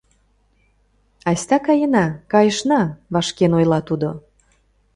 Айста каена, кайышна! — вашкен ойла тудо.